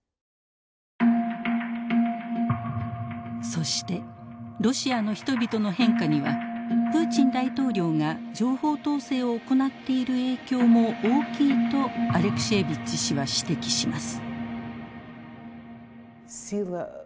そしてロシアの人々の変化にはプーチン大統領が情報統制を行っている影響も大きいとアレクシエービッチ氏は指摘します。